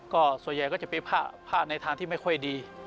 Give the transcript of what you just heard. ก็ส่วนใหญ่ก็จะไปผ้าในทางที่ไม่ค่อยดี